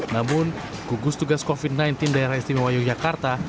namun gugus tugas covid sembilan belas daerah istimewa yogyakarta